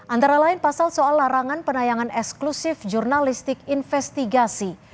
antara lain pasal soal larangan penayangan eksklusif jurnalistik investigasi